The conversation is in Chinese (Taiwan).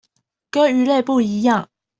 跟魚類不一樣